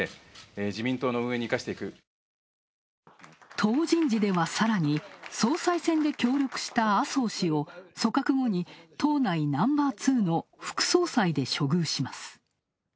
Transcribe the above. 党人事では、さらに総裁選で協力した麻生氏を組閣後に党内ナンバーツーの副総裁で処遇します。